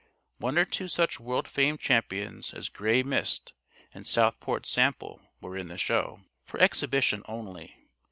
One or two such world famed champions as Grey Mist and Southport Sample were in the show "for exhibition only."